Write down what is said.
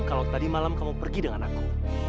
kalau tadi malam kamu pergi dengan aku